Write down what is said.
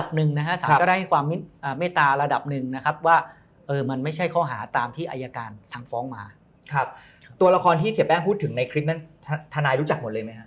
ทนายรู้จักหมดเลยไหมครับ